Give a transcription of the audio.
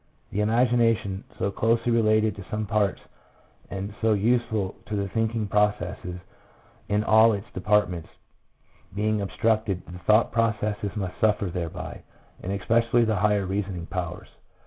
The imagination, so closely related in some parts and so useful to the thinking processes in all its departments, being obstructed, the thought processes must suffer thereby, and especially the higher reasoning powers.